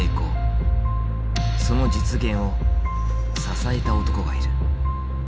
その実現を支えた男がいる。